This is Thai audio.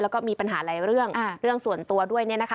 แล้วก็มีปัญหาอะไรเรื่องส่วนตัวด้วย